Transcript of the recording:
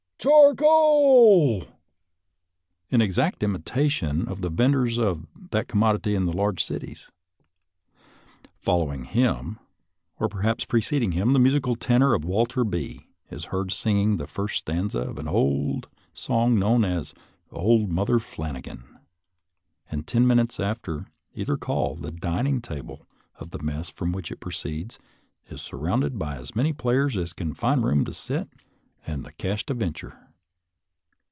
char c o a 1 !" in exact imitation of the venders of that commodity in the large cities. Following him, or perhaps preceding him, the musical tenor of Walter B is heard singing the first stanza of an old song known as " Old Mother Flannagan," and ten minutes after either call the dining table of the mess from which it proceeds is surrounded by as many players as can find room to sit and the 20 SOLDIER'S LETTERS TO CHARMING NELLIE cash to venture.